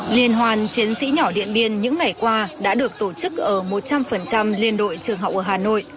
liên hoàn chiến sĩ nhỏ điện biên những ngày qua đã được tổ chức ở một trăm linh liên đội trường học ở hà nội